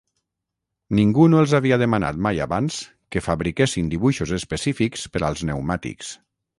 Ningú no els havia demanat mai abans que fabriquessin dibuixos específics per als pneumàtics.